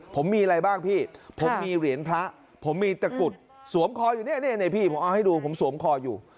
ผมมีอะไรบ้างพี่ผมมีเหรียญพระผมมีตะกุดสวมคออยู่เนี่ยนี่พี่ผมเอาให้ดูผมสวมคออยู่